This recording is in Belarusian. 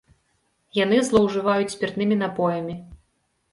Яны злоўжываюць спіртнымі напоямі.